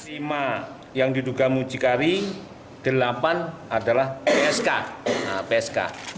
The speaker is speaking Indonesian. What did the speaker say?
lima yang diduga mucikari delapan adalah psk psk